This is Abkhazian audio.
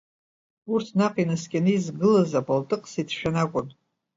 Урҭ наҟ инаскьаны изгылаз, апалтыҟса ицәшәаны акәын.